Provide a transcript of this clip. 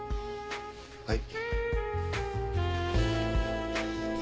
はい。